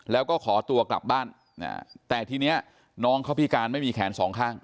แล้วก็ขอตัวกลับบ้านแต่ทีนี้น้องเขาพิการไม่มีแขนสองข้าง